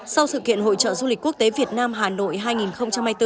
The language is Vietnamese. sau sự kiện hội trợ du lịch quốc tế việt nam hà nội hai nghìn hai mươi bốn